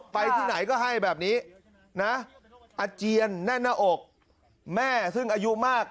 ไปที่ไหนก็ให้แบบนี้นะอาเจียนแน่นหน้าอกแม่ซึ่งอายุมาก